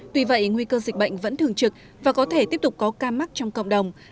tuy vậy nguy cơ dịch bệnh vẫn thường trực và có thể tiếp tục có ca mắc trong cộng đồng